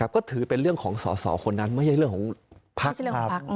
ก็ถือเป็นเรื่องของสอคนนั้นไม่ใช่เรื่องของพรรค